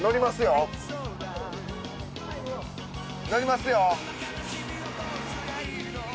乗りますよ！